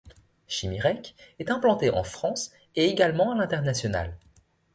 Chimirec est implanté en France et également à l'international.